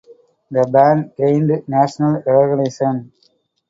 The band gained national recognition.